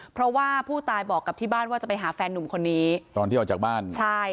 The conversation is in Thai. เพราะว่าผู้ตายบอกกับที่บ้านว่าจะไปหาแฟนนุ่มคนนี้ตอนที่ออกจากบ้านใช่